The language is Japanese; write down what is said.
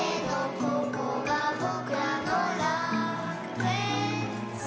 「ここがぼくらの楽園さ」